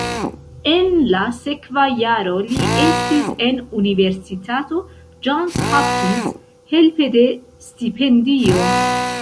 En la sekva jaro li estis en Universitato Johns Hopkins helpe de stipendio.